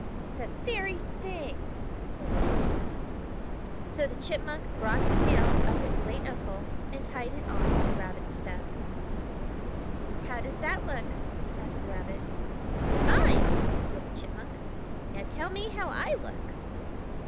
"The very thing!" said the Rabbit. So the Chipmunk brought the tail of his late uncle and tied it on to the Rabbit's stub. "How does that look?" asked the Rabbit. "Fine!" said the Chipmunk. "Now tell me how I look!"